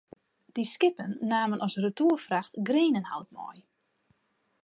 Dy skippen namen as retoerfracht grenenhout mei.